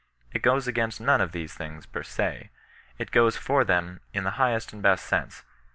It goes against none of these things, per se. It goes for them, in the highest and best sense.